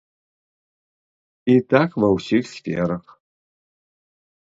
І так ва ўсіх сферах.